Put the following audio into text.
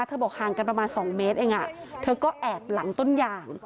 บอกห่างกันประมาณ๒เมตรเองเธอก็แอบหลังต้นยาง